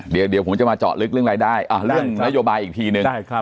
เดี๋ยวเดี๋ยวผมจะมาเจาะลึกเรื่องรายได้อ่าเรื่องนโยบายอีกทีหนึ่งใช่ครับ